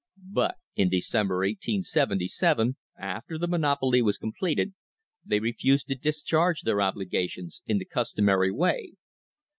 But in December, 1877, after the monopoly was completed, they refused to discharge their obligations in the customary way.